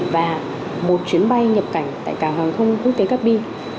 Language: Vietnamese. và một chuyến bay nhập cảnh tại cảng không quốc tế cáp bi